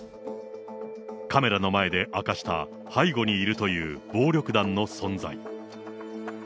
カメラの前で明かした背後にいるという暴力団の存在。